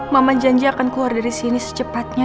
mama janji akan keluar dari sini secepatnya